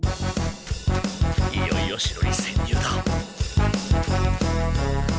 いよいよ城に潜入だ。